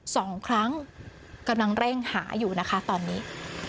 สองครั้งกำลังเร่งหาอยู่นะคะตอนนี้